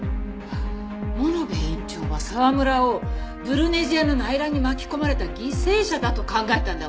物部院長は沢村をブルネジアの内乱に巻き込まれた犠牲者だと考えたんだわ。